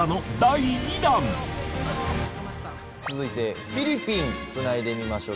続いてフィリピンつないでみましょう！